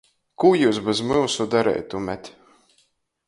Kū jius bez myusu dareitumet?